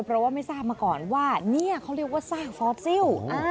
เพราะว่าไม่ทราบมาก่อนว่านี่เขาเรียกว่าซากฟอสซิล